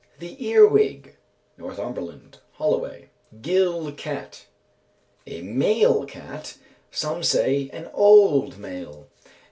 _ The earwig. Northumberland; Holloway. Gil cat. A male cat; some say an old male.